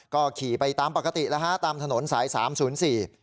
ก็ขี่ไปตามปกติแล้วฮะตามถนนสายสามศูนย์สี่